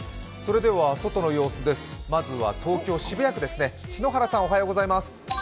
外の様子ですまずは東京・渋谷区ですね。